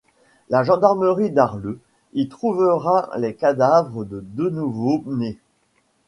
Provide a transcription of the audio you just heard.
La gendarmerie d'Arleux y trouvera les cadavres de deux nouveau-nés.